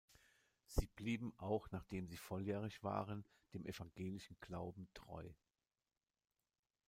Sie blieben, auch nachdem sie volljährig waren, dem evangelischen Glauben treu.